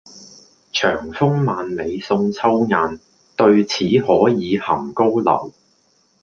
長風萬里送秋雁，對此可以酣高樓